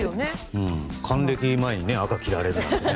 還暦前に赤着られるなんてね。